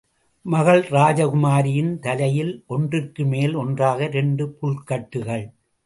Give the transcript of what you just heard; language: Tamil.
மகள் ராஜகுமாரியின் தலையில் ஒன்றிற்கு மேல் ஒன்றாக இரண்டு புல்கட்டுக்கள்.